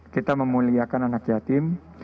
kita memuliakan anak yatim